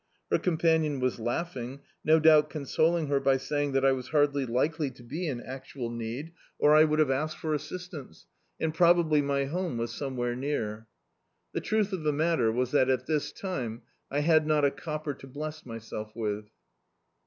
Her companion was lauding, no doubt consoling her by saying that I was hardly likely to be in actual need, or I would Dictzed by Google On Tramp Again have asked for assistance, and probably my home was somewhere near. The truth of the matter was that at this time I had not a copper to bless my self with.